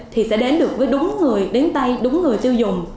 thì sẽ đến được với đúng người đến tay đúng người tiêu dùng